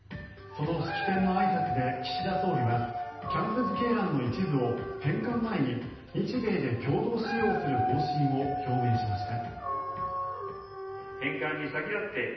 その式典のあいさつで岸田総理はキャンプ瑞慶覧の一部を返還前に日米で共同使用する方針を表明しました。